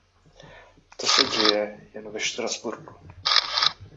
To se děje jen ve Štrasburku.